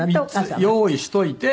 ３つ用意しといて。